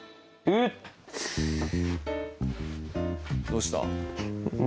どうした？